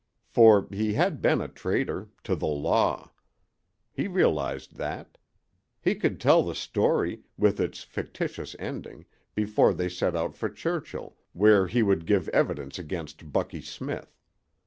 For he had been a traitor to the Law. He realized that. He could tell the story, with its fictitious ending, before they set out for Churchill, where he would give evidence against Bucky Smith.